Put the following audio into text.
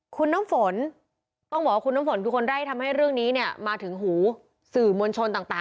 คุณน้ำฝนต้องบอกว่าคุณน้ำฝนคือคนไร่ทำให้เรื่องนี้เนี่ยมาถึงหูสื่อมวลชนต่าง